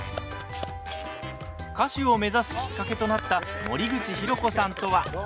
歌手を目指すきっかけとなった森口博子さんとは。